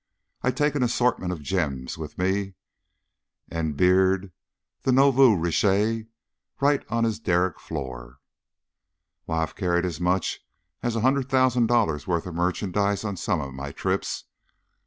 I take an assortment of gems with me and beard the nouveau riche right on his derrick floor. Why, I've carried as much as a hundred thousand dollars' worth of merchandise on some of my trips."